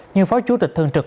nhưng phó chủ tịch thường trực